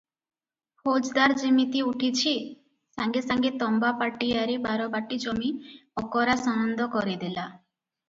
ଫୌଜଦାର ଯିମିତି ଉଠିଛି, ସାଙ୍ଗେ ସାଙ୍ଗେ ତମ୍ବା ପାଟିଆରେ ବାରବାଟୀ ଜମି ଅକରା ସନନ୍ଦ କରିଦେଲା ।